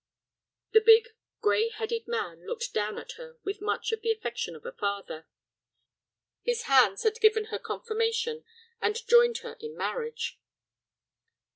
The big, gray headed man looked down at her with much of the affection of a father. His hands had given her confirmation and joined her hand in marriage.